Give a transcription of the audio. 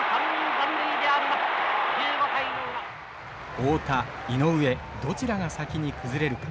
太田井上どちらが先に崩れるか。